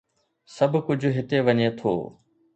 سڀ ڪجهه هتي وڃي ٿو.